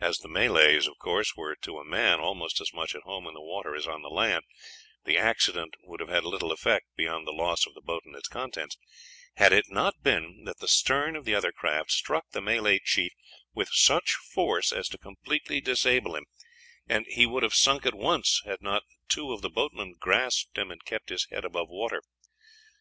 As the Malays were to a man almost as much at home in the water as on land, the accident would have had little effect beyond the loss of the boat and its contents, had it not been that the stern of the other craft struck the Malay chief with such force as to completely disable him, and he would have sunk at once had not two of the boatmen grasped him and kept his head above water.